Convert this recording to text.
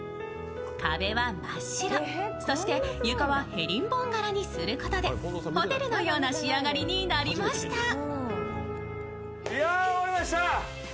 壁は真っ白、そして床はヘリンボーン柄にすることで、ホテルのような仕上がりになりました。